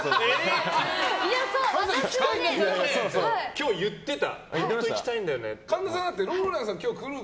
今日、言ってた。